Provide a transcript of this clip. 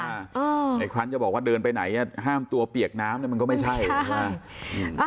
ในครั้นจะบอกว่าเดินไปไหนห้ามตัวเปียกน้ำเนี่ยมันก็ไม่ใช่ใช่ไหม